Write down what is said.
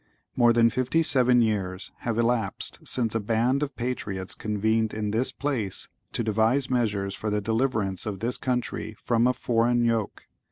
(¶ 1) More than fifty seven years have elapsed since a band of patriots convened in this place, to devise measures for the deliverance of this country from a foreign yoke.